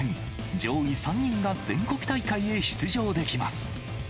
上位３人が全国大会へ出場できます。